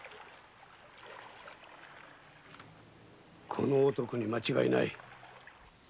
この男に間違いない。